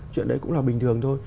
chuyện đấy cũng là bình thường thôi